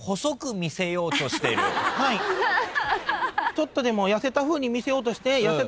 ちょっとでも痩せたふうに見せようとして。